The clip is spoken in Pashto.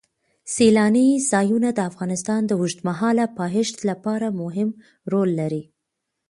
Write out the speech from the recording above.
سیلانی ځایونه د افغانستان د اوږدمهاله پایښت لپاره مهم رول لري.